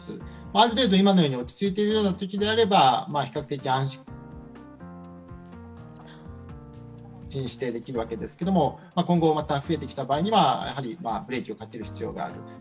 ある程度今のように落ち着いているようなときであれば比較的安心してできるわけですが、今後また増えてくれば必要がある。